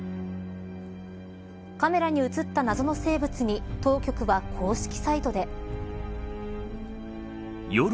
カメラに写った謎の生物に当局は公式サイトで。